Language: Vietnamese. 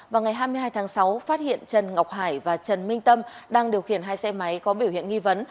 vào ngày hai mươi hai tháng sáu phát hiện trần ngọc hải và trần minh tâm đang điều khiển hai xe máy có biểu hiện nghi vấn